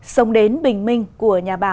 sông đến bình minh của nhà bảo